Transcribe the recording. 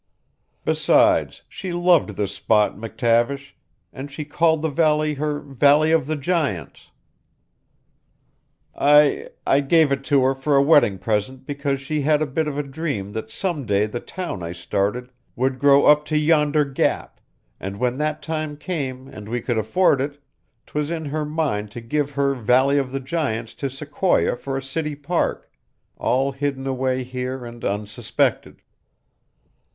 Besides, she loved this spot, McTavish, and she called the valley her Valley of the Giants. I I gave it to her for a wedding present because she had a bit of a dream that some day the town I started would grow up to yonder gap, and when that time came and we could afford it, 'twas in her mind to give her Valley of the Giants to Sequoia for a city park, all hidden away here and unsuspected.